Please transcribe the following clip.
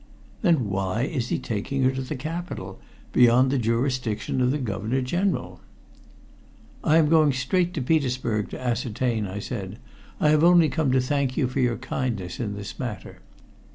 "Then why is he taking her to the capital beyond the jurisdiction of the Governor General?" "I am going straight to Petersburg to ascertain," I said. "I have only come to thank you for your kindness in this matter.